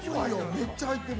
めっちゃ入ってるよ。